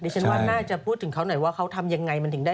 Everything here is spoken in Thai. จะน่าจะพูดถึงเขาน่ะเหมือนเขาทำยังไงมันถึงได้